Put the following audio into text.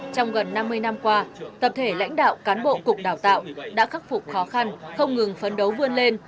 trong gần năm mươi năm qua tập thể lãnh đạo cán bộ cục đào tạo đã khắc phục khó khăn không ngừng phấn đấu vươn lên